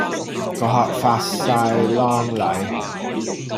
個客發哂狼戾